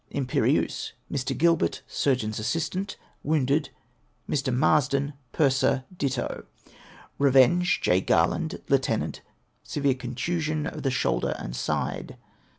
Imperieuse, Mr. Gilbert, Surgeon's Assistant, wounded ; Mr. Marsden, Purser; ditto. Revenge, J. Garland, Lieut. ; severe contusion of the shoulder and side.